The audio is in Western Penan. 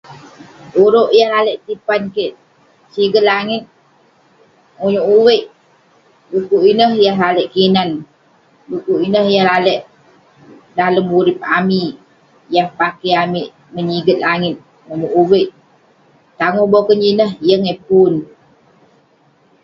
Urouk yah lalek tipan kek siget langit, onyog uveik. Dekuk ineh yah lalek kinan, dekuk ineh yah lalek dalem urip amik. Yah pakey amik menyiget langit, onyog uveik.